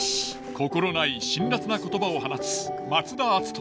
心ない辛辣な言葉を放つ松田篤人。